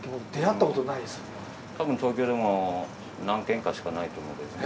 たぶん東京でも何軒かしかないと思うけどね。